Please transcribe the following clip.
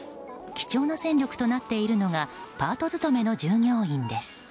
貴重な戦力となっているのがパート勤めの従業員です。